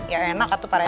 ya enak satu parete